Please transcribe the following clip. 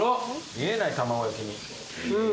見えない卵焼きに。